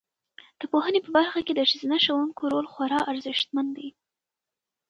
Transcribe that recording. د پوهنې په برخه کې د ښځینه ښوونکو رول خورا ارزښتمن دی.